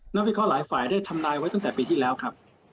นักวิเคราะห์หลายฝ่ายได้ทำลายไว้ตั้งแต่ปีที่แล้วครับ